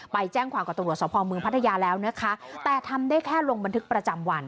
ไปแจ้งความกับตำรวจสภเมืองพัทยาแล้วนะคะแต่ทำได้แค่ลงบันทึกประจำวัน